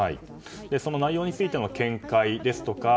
その内容についての見解ですとか